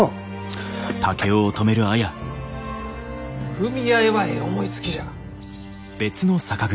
組合はえい思いつきじゃ。